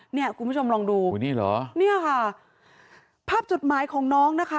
นี่คุณผู้ชมลองดูนี่ค่ะภาพจดหมายของน้องนะคะ